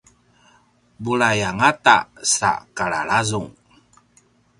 bulai angata sa kalalazung